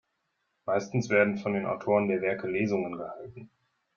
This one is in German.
Meistens werden von den Autoren der Werke Lesungen gehalten.